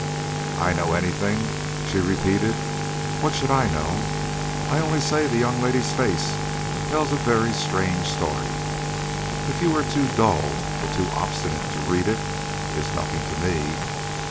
"I know any thing?" she repeated. "What should I know? I only say the young lady's face tells a very strange story. If you are too dull or too obstinate to read it, it's nothing to me."